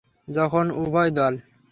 যখন উভয় দল।